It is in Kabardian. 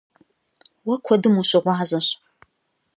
Уэ куэдым ущыгъуазэщ.